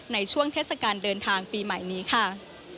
ในช่วงเทศกาลเดินทางปีใหม่นี้ค่ะ